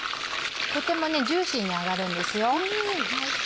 とてもジューシーに揚がるんですよ。